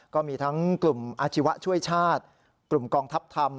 ก็มีทั้งกลุ่มอาชีวะช่วยชาติกลุ่มกองทัพธรรม